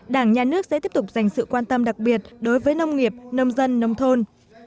đảng nhà nước sẽ tiếp tục dành sự quan tâm đặc biệt đối với nông nghiệp nông dân nông thôn